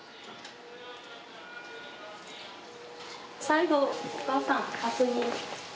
最後お母さん確認。